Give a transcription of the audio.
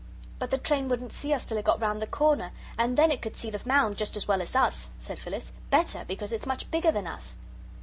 "But the train wouldn't see us till it got round the corner, and then it could see the mound just as well as us," said Phyllis; "better, because it's much bigger than us."